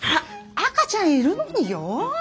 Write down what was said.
赤ちゃんいるのによ。